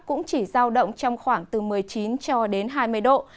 cũng chỉ giao động trong khoảng từ một mươi chín cho đến hai mươi độ